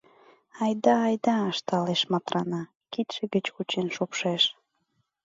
— Айда, айда, — ышталеш Матрана, кидше гыч кучен шупшеш.